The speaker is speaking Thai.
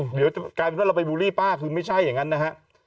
เดี๋ยวจะกลายเป็นว่าเราไปบูลลี่ป้าคือไม่ใช่อย่างนั้นนะฮะ